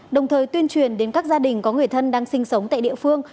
đồng thời tuyên truyền đến các gia đình có người thân đang sinh sống tại địa phương